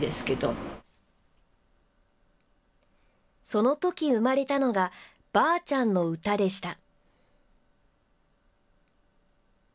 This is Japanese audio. そのとき生まれたのが、ばあちゃんの詩でした。